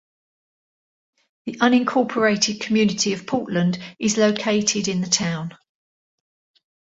The unincorporated community of Portland is located in the town.